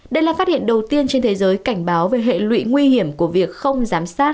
đây là phát hiện đầu tiên trên thế giới cảnh báo về hệ lụy nguy hiểm của việc không giám sát